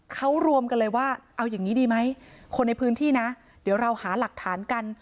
เขารวมกันเลยว่าเอาอย่างนี้ดีไหมคนในพื้นที่นะเดี๋ยวเราหาหลักฐานกัน